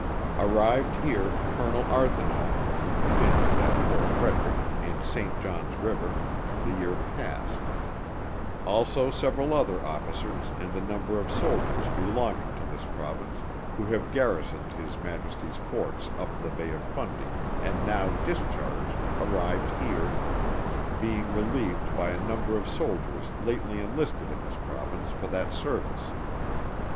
"Arrived here, Colonel Arthithnot, who commanded at Fort Frederick, in Saint John's River, the year past; also several other officers and a number of soldiers belonging to this Province, who have garrisoned His Majesty's forts up the Bay of Fundy, and now discharged, arrived here, being relieved by a number of soldiers lately enlisted in this Province, for that service.